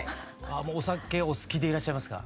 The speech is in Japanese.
お酒お好きでいらっしゃいますか？